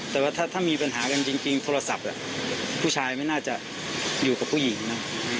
แต่ว่าถ้ามีปัญหากันจริงโทรศัพท์ผู้ชายไม่น่าจะอยู่กับผู้หญิงนะ